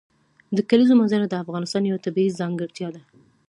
د کلیزو منظره د افغانستان یوه طبیعي ځانګړتیا ده.